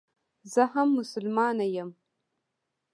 زه هم مسلمانه یم.